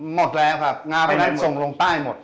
หมดแล้วครับงาใบนั้นส่งลงใต้หมด